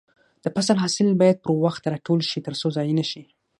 د فصل حاصل باید پر وخت راټول شي ترڅو ضايع نشي.